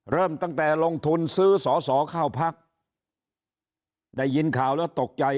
เริ่มตั้งแต่ลงทุนซื้อสอสอเข้าพักได้ยินข่าวแล้วตกใจ